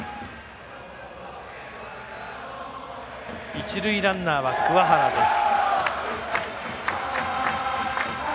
一塁ランナーは桑原です。